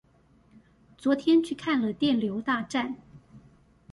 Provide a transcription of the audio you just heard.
昨天去看了電流大戰